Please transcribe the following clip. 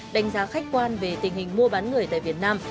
đánh giá khách quan về tình hình mua bán người tại việt nam